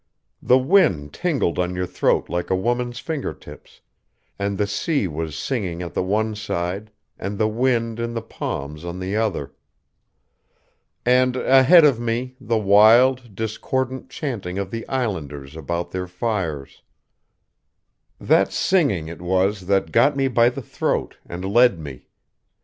The wind tingled on your throat like a woman's finger tips; and the sea was singing at the one side, and the wind in the palms on the other. And ahead of me, the wild, discordant chanting of the Islanders about their fires.... That singing it was that got me by the throat, and led me.